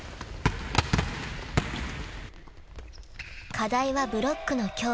［課題はブロックの強化］